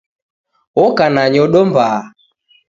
Oka na nyodo mbaha.